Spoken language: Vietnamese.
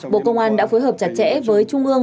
bộ công an đã phối hợp chặt chẽ với trung ương